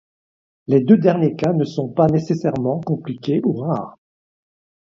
Les deux derniers cas ne sont pas nécessairement compliqués ou rares.